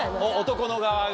男の側が？